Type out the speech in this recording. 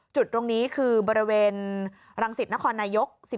จุดตรงนี้คือบริเวณรังสิตนครนายก